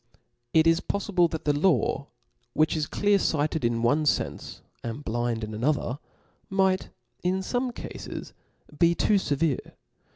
^' It is poffible that the law, which is clear fighted in one fenfe, and blind in another, might, in fom^ cafes, be too fevere.